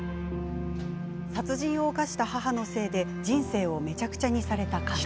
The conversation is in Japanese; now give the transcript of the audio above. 殺人を犯した母のせいで人生をめちゃくちゃにされた香苗。